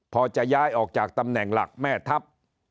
พอจะย้ายออกจากตำแหน่งหลักแม่ทัพ